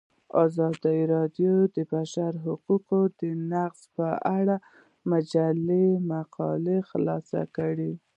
ازادي راډیو د د بشري حقونو نقض په اړه د مجلو مقالو خلاصه کړې.